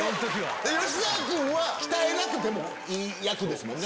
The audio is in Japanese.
吉沢君は鍛えなくてもいい役ですもんね。